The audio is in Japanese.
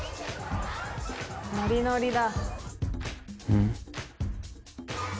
ノリノリだ。